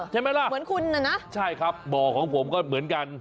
ใช่ไหมล่ะใช่ครับบ่อของผมก็เหมือนกัน